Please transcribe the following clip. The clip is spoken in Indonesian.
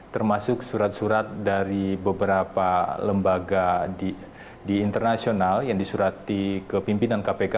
termasuk surat surat dari beberapa lembaga di internasional yang disurati ke pimpinan kpk